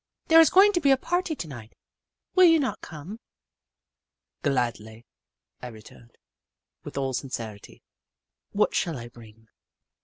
There is going to be a party to night. Will you not come ?"" Gladly," I returned, with all sincerity. "What shall I bring?"